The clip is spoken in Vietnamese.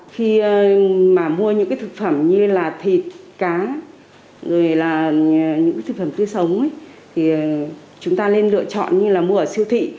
khi mà mua những cái thực phẩm như là thịt cá rồi là những thực phẩm tươi sống ấy thì chúng ta nên lựa chọn như là mua ở siêu thị